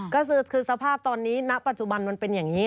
ก็คือสภาพตอนนี้ณปัจจุบันมันเป็นอย่างนี้